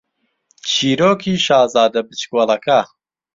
چیرۆکی شازادە بچکۆڵەکە